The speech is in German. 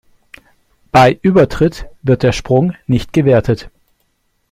Bei Übertritt wird der Sprung nicht gewertet.